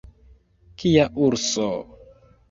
Kia urso!